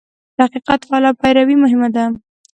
د حقیقت فعاله پیروي مهمه ده.